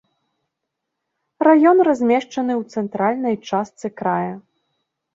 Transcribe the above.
Раён размешчаны ў цэнтральнай частцы края.